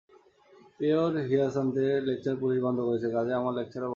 পেয়র হিয়াসান্থের lecture police বন্ধ করেছে, কাজেই আমার লেকচারও বন্ধ।